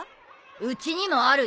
うちにもあるよ。